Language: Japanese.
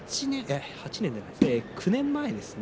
９年前ですね。